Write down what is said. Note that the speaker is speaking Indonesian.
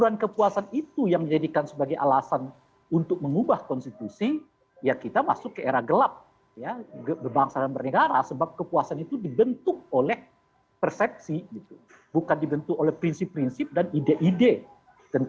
apakah memang hal tersebut